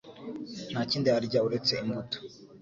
Nta kindi arya uretse imbuto